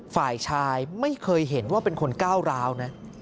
ฝ่ายชายไม่เคยเห็นว่าเป็นคนก้าวร้าวนะ